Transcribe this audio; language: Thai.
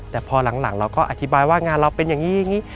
แต่พอหลังเราก็อธิบายว่างานเราเป็นอย่างนี้อย่างนี้